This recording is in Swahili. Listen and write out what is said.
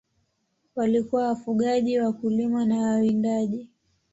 Walikuwa wafugaji, wakulima na wawindaji.